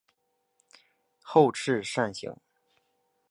后翅扇形。